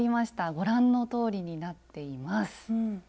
ご覧のとおりになっています。